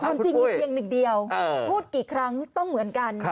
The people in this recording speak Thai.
ความจริงมีเพียงหนึ่งเดียวพูดกี่ครั้งต้องเหมือนกัน